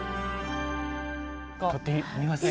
採ってみませんか。